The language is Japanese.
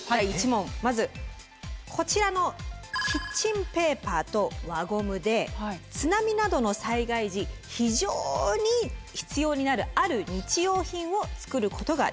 第１問まずこちらのキッチンペーパーと輪ゴムで津波などの災害時非常に必要になるある日用品を作ることができます。